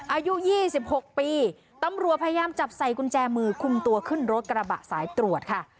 อายุ๒๖ปีตำรวจพยายามจับใส่กุญแจมือคุมตัวขึ้นรถกระบะสายตรวจค่ะ